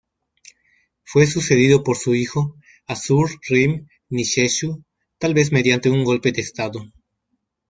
Fue sucedido por su hijo, Assur-rim-nisheshu, tal vez mediante un golpe de estado.